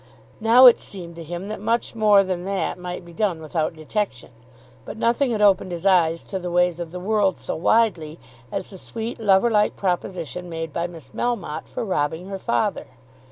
Now it seemed to him that much more than that might be done without detection. But nothing had opened his eyes to the ways of the world so widely as the sweet little lover like proposition made by Miss Melmotte for robbing her father.